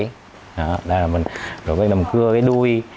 rồi bây giờ mình cưa cái đuôi